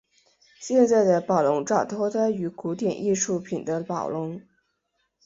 现在的宝龙罩脱胎于古典木艺品的宝笼。